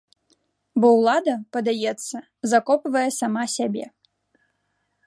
Бо ўлада, падаецца, закопвае сама сябе.